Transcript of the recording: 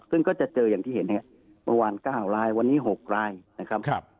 ซึ่งก็จะเจออย่างที่เห็นเนี่ยประมาณ๙ลายวันนี้๖ลายนะครับ